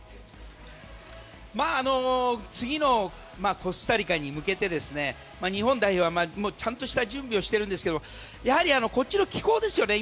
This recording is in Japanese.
次のコスタリカに向けて日本代表はちゃんとした準備をしてるんですけどやはりこっちの気候ですよね。